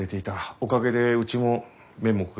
おかげでうちも面目が保てる。